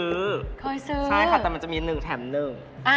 เคยซื้อใช่ค่ะแต่มันจะมีหนึ่งแถมหนึ่ง